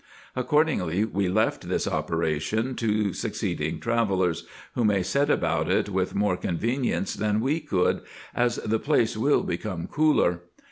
Accordingly, we left this operation to succeeding travellers, who may set about it with more convenience than we could, as the place will become cooler.